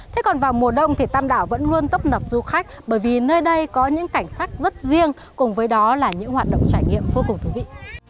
thế còn vào mùa đông thì tam đảo vẫn luôn tốc nập du khách bởi vì nơi đây có những cảnh sắc rất riêng cùng với đó là những hoạt động trải nghiệm vô cùng thú vị